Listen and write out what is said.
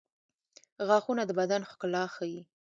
• غاښونه د بدن ښکلا ښيي.